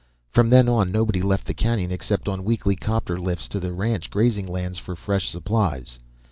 From then on, nobody left the canyon except on weekly 'copter lifts to the ranch grazing lands for fresh supplies.